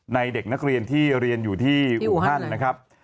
เด็กนักเรียนที่เรียนอยู่ที่อูฮันนะครับ